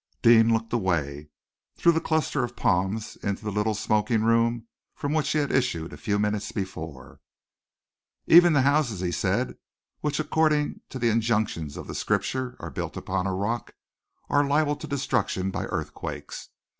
Deane looked away through the cluster of palms into the little smoking room from which he had issued a few minutes before. "Even the houses," he said, "which according to the injunctions of Scripture are built upon a rock, are liable to destruction by earthquakes.